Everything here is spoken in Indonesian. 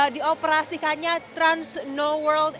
di operasikannya trans snow world